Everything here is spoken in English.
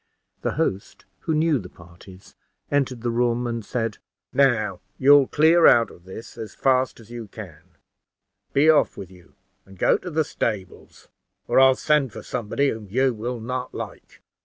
The host, who knew the parties, entered the room, and said "Now you'll clear out of this as fast as you can; be off with you, and go to the stables, or I'll send for somebody whom you will not like."